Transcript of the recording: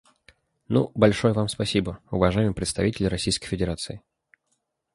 Ну, большое Вам спасибо, уважаемый представитель Российской Федерации.